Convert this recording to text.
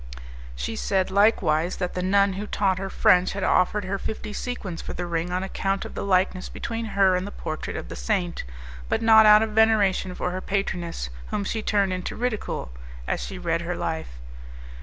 She said, likewise, that the nun who taught her French had offered her fifty sequins for the ring on account of the likeness between her and the portrait of the saint, but not out of veneration for her patroness, whom she turned into ridicule as she read her life.